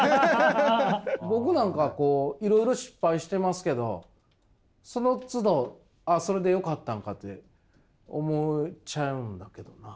僕なんかいろいろ失敗してますけどそのつどああそれでよかったんかって思っちゃうんだけどな。